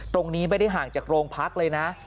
ตรงนี้ไม่ได้ห่างจากโรงพักเลยนะ